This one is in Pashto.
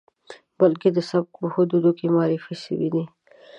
بلکې د سبک په حدودو کې معرفي شوی دی.